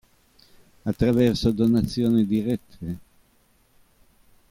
Attraverso donazioni dirette.